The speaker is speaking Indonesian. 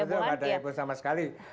betul betul tidak ada kehebohan sama sekali